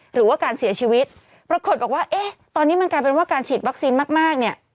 หรือว่าการเสียชีวิตปรากฏบอกว่าเอ๊ะตอนนี้มันกลายเป็นว่าการฉีดวัคซีนมากมากเนี่ย